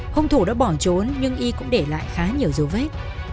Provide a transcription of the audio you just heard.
hung thủ đã bỏ trốn nhưng y cũng để lại khá nhiều dấu vết